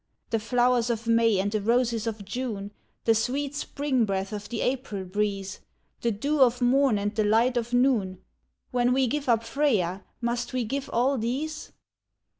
The flowers of May and the roses of June, The sweet spring breath of the April breeze, The dew of morn and the light of noon When we give up Freya, must we give all these